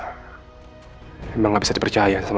padahal dia udah berhasil dapetin si elsa